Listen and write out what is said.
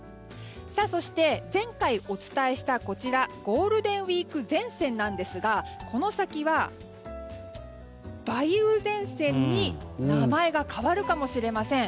そして、前回お伝えしたゴールデンウィーク前線ですがこの先は梅雨前線に名前が変わるかもしれません。